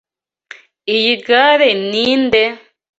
Iyi gare ninde?